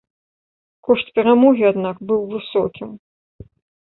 Кошт перамогі, аднак, быў высокім.